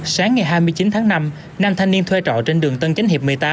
sáng ngày hai mươi chín tháng năm nam thanh niên thuê trọ trên đường tân chánh hiệp một mươi tám